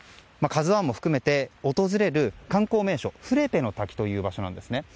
「ＫＡＺＵ１」も含めて訪れる観光名所フレペの滝という場所なんです。